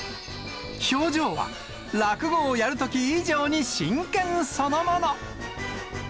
表情は、落語をやるとき以上に真剣そのもの。